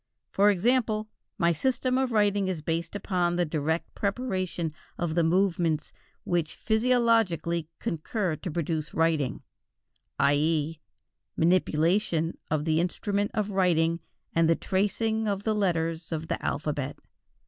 For example, my system of writing is based upon the direct preparation of the movements which physiologically concur to produce writing: i.e. manipulation of the instrument of writing and the tracing of the letters of the alphabet.